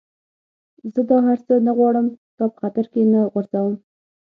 زه دا هر څه نه غواړم، تا په خطر کي نه غورځوم.